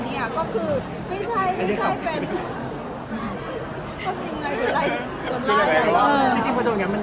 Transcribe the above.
ไม่ใช่เป็นเพราะจริงไงหรืออะไร